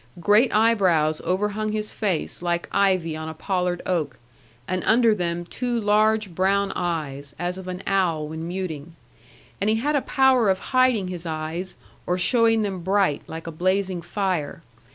Great eyebrows overhung his face, like ivy on a pollard oak, and under them two large brown eyes, as of an owl when muting. And he had a power of hiding his eyes, or showing them bright, like a blazing fire.